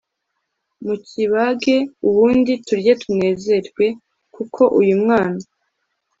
mukibage ubundi turye tunezerwe kuko uyu mwana